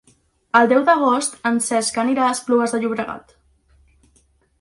El deu d'agost en Cesc anirà a Esplugues de Llobregat.